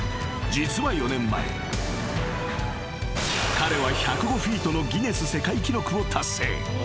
［彼は１０５フィートのギネス世界記録を達成］